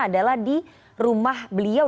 adalah di rumah beliau